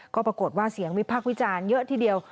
ก็ปรากฏว่าเสียงวิพักษ์วิจารณ์เยอะทีเดียว